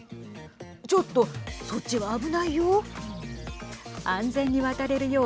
ちょっと、そっちは危ないよ。